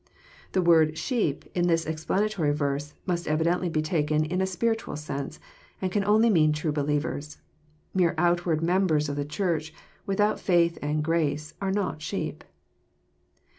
The word " sheep, In this explanatory verse, must evidently be taken in a spiritual sense, and can only mean true believers. Mere outward members of the Church, without faith and grace, are not " sheep."